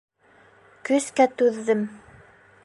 Көскә түҙҙем.